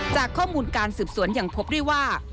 จากข้อมูลการสืบสวนยังพบได้ว่า